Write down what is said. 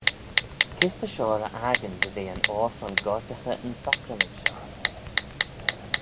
Kys ta shoh ry-akin dy ve yn oyr son goardaghey yn sacrament shoh?